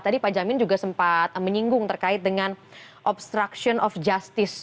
tadi pak jamin juga sempat menyinggung terkait dengan obstruction of justice